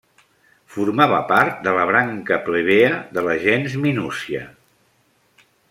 Formava part de la branca plebea de la gens Minúcia.